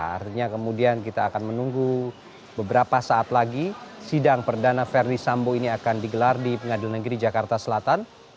artinya kemudian kita akan menunggu beberapa saat lagi sidang perdana verdi sambo ini akan digelar di pengadilan negeri jakarta selatan